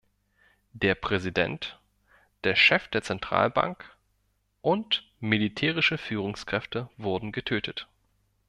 Der Präsident, der Chef der Zentralbank und militärische Führungskräfte wurden getötet.